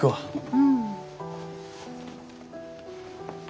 うん。